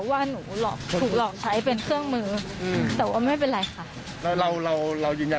อยากบอกอะไรกับครอบครัวผู้เสียบ้าง